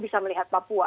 bisa melihat papua